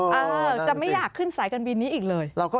เออจะไม่อยากขึ้นสายการบินนี้อีกเลย